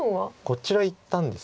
こちらいったんです。